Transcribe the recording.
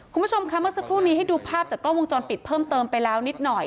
คุณผู้ชมค่ะเมื่อสักครู่นี้ให้ดูภาพจากกล้องวงจรปิดเพิ่มเติมไปแล้วนิดหน่อย